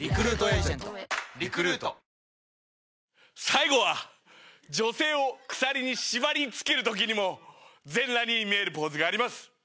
最後は女性を鎖に縛りつけるときにも全裸に見えるポーズがあります。